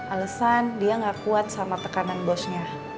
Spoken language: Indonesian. alesan dia gak kuat sama tekanan bosnya